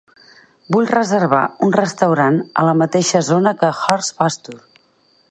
Vull reservar un restaurant a la mateixa zona que Horse Pasture.